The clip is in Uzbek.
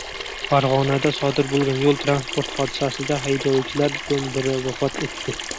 Farg‘onada sodir bo‘lgan yo‘l-transport hodisasida haydovchilardan biri vafot etdi